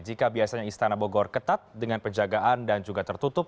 jika biasanya istana bogor ketat dengan penjagaan dan juga tertutup